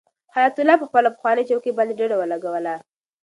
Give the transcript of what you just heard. حیات الله په خپله پخوانۍ چوکۍ باندې ډډه ولګوله.